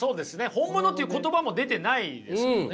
「本物」という言葉も出てないですよね。